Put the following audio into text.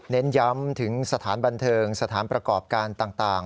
เน้นย้ำถึงสถานบันเทิงสถานประกอบการต่าง